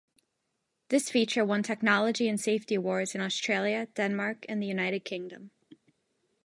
This feature won technology and safety awards in Australia, Denmark, and the United Kingdom.